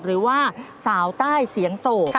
หรือว่าสาวใต้เสียงโศก